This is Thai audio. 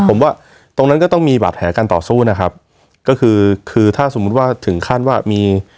ผมว่าตรงนั้นก็ต้องมีบาดแผลการต่อสู้นะครับก็คือคือถ้าสมมุติว่าถึงขั้นว่ามี